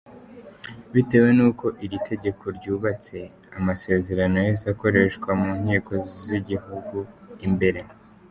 Bitewe n’uko iri tegeko ryubatswe, amasezerano yahise akoreshwa mu nkiko z’igihugu imbere.